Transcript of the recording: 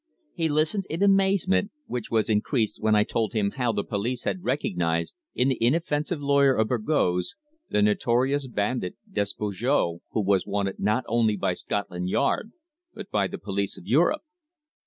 He listened in amazement, which was increased when I told him how the police had recognized in the inoffensive lawyer of Burgos the notorious bandit Despujol, who was wanted not only by Scotland Yard, but by the police of Europe.